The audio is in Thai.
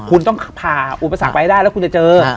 คุณต้องผ่าอุปสรรคไปให้ได้แล้วคุณจะเจอ